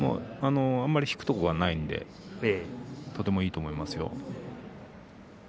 あまり引くところがないのでとてもいいと思いますよ。